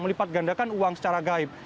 melipat gandakan uang secara gaib